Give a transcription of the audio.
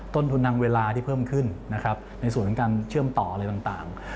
ต้นทุนทางเวลาที่เพิ่มขึ้นนะครับในส่วนของการเชื่อมต่ออะไรต่าง